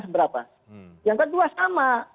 seberapa yang kedua sama